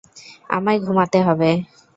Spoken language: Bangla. আমায় ঘুমাতে হবে।